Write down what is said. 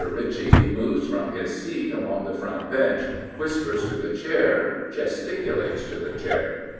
Ritchie moves from his seat along the front bench, whispers to the Chair, gesticulates to the Chair.